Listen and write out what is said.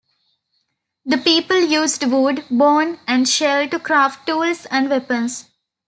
The people used wood, bone and shell to craft tools and weapons.